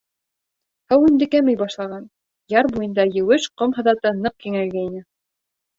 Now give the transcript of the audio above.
Һыу инде кәмей башлаған, яр буйында еүеш ҡом һыҙаты ныҡ киңәйгәйне.